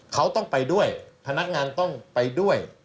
เขาต้องไปด้วยพนักงานต้องไปด้วย